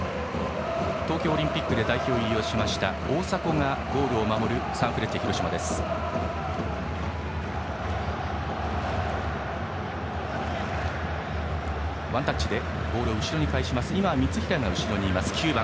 東京オリンピックで代表入りした大迫がゴールを守るサンフレッチェ広島です。